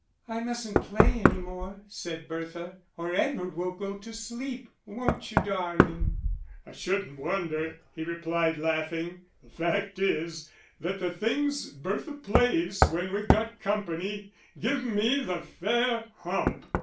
"I mustn't play any more," said Bertha, "or Eddie will go to sleep won't you, darling?" "I shouldn't wonder," he replied, laughing. "The fact is that the things Bertha plays when we've got company give me the fair hump!"